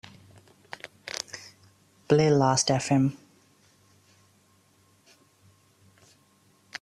Play Lastfm.